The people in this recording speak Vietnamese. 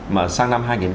mà sang năm hai nghìn ba